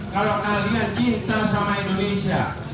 kalau kalian cinta sama indonesia